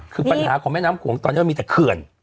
คือปัญหาของแม่น้ำโขงตอนนี้มันมีแต่เขื่อน